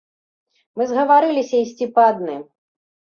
Мы згаварыліся ісці па адным.